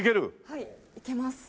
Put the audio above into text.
はい行けます。